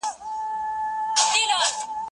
زه به کتابتوننۍ سره وخت تېره کړی وي؟!